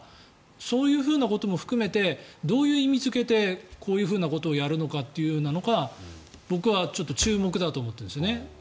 そういうふうなことも含めてどういう意味付けでこういうことをやるのかっていうのが僕はちょっと注目だと思っていますね。